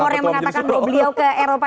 rumor yang mengatakan bro beliau ke eropa